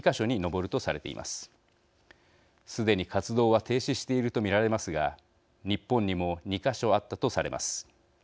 すでに活動は停止していると見られますが日本にも２か所あったとされます。